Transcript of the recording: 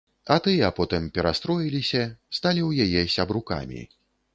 А тыя потым перастроіліся, сталі ў яе сябрукамі.